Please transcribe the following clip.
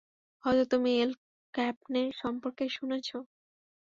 হয়তো তুমি Al Capone সম্পর্কে শুনেছ?